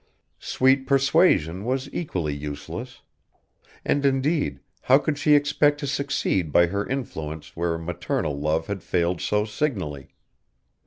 Sweet persuasion was equally useless. And indeed, how could she expect to succeed by her influence where maternal love had failed so signally?